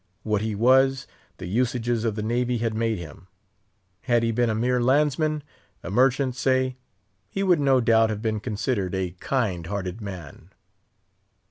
What he was, the usages of the Navy had made him. Had he been a mere landsman—a merchant, say—he would no doubt have been considered a kind hearted man.